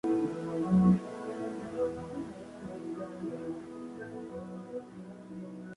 Nacida en Karlsruhe, Alemania, en su honor se concede anualmente el Premio Teatral Lore-Bronner.